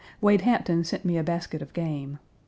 Wade Hampton sent me a basket of game.